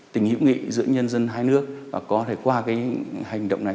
tình hữu nghị giữa nhân dân hai nước có thể qua hành động này